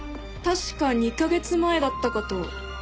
確か２カ月前だったかと。